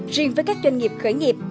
riêng với các doanh nghiệp khởi nghiệp